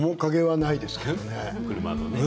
車のね。